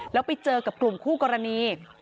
แล้วไปเจอกับกลุ่มคู่กรณี